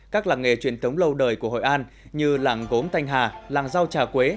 các làng nghề truyền thống lâu đời của hội an như làng gốm thanh hà làng rau trà quế